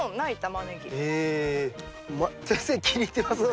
先生気に入ってますね。